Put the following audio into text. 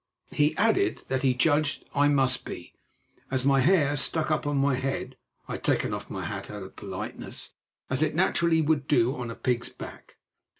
He added that he judged I must be, as my hair stuck up on my head—I had taken off my hat out of politeness—as it naturally would do on a pig's back.